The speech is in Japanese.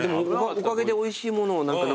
おかげでおいしいものを飲めた。